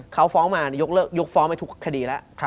เขาฟ้องมายกฟ้องไปทุกคดีแล้ว